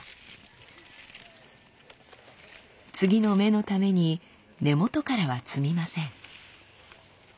次の芽のために根元からは摘みません。